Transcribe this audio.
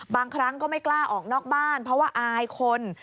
บางครั้งก็ไม่กล้าออกนอกบ้านเพราะว่าอายคน